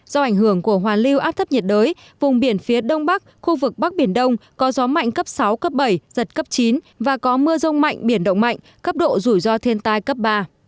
do ảnh hưởng của hoàn lưu áp thấp nhiệt đới vùng biển phía đông bắc khu vực bắc biển đông có gió mạnh cấp sáu cấp bảy giật cấp chín và có mưa rông mạnh biển động mạnh cấp độ rủi ro thiên tai cấp ba